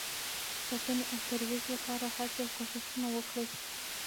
د ساتنې او ترویج لپاره هڅې او کوښښونه وکړئ